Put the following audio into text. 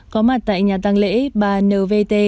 có mặt tại nhà tăng lễ bà n v t